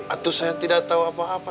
atau saya tidak tahu apa apa